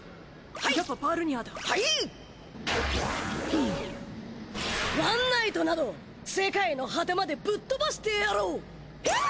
フッワンナイトなど世界の果てまでぶっとばしてやろうひゅー！